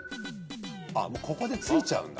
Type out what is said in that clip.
あっもうここでついちゃうんだ。